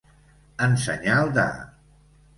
En senyal de.